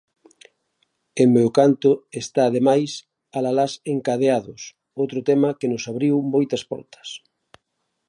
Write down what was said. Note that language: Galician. En Meu canto está ademais Alalás encadeados, outro tema que nos abriu moitas portas.